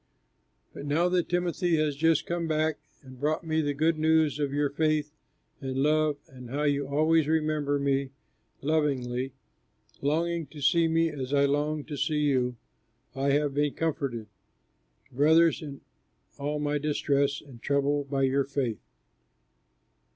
But now that Timothy has just come back and brought me the good news of your faith and love and how you always remember me lovingly, longing to see me as I long to see you, I have been comforted, brothers, in all my distress and trouble by your faith.